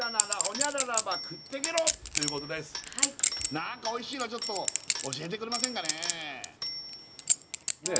何かおいしいのちょっと教えてくれませんかね？